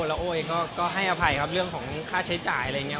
แล้วโอ้เองก็ให้อภัยครับเรื่องของค่าใช้จ่ายอะไรอย่างนี้